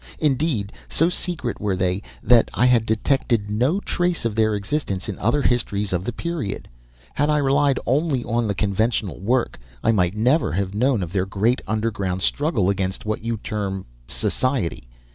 Indeed, so secret were they that I had detected no trace of their existence in other histories of the period. Had I relied only on the conventional work, I might never have known of their great underground struggle against what you term society.